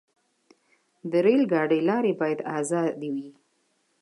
د ریل ګاډي لارې باید آزادې وي.